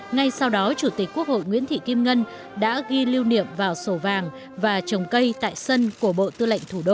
ngay sau đó chủ tịch quốc hội nguyễn thị kim ngân đã ghi lưu niệm vào sổ vàng và trồng cây tại sân của bộ tư lệnh thủ đô